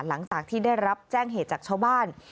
หลังจากที่ได้รับแจ้งเหตุจากชาวบ้าน